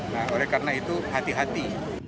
nah oleh karena itu hati hati